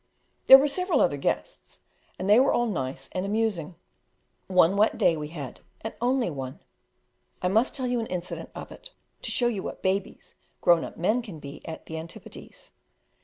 There were several other guests, and they were all nice and amusing. One wet day we had, and only one. I must tell you an incident of it, to show you what babies grown up men can be at the Antipodes.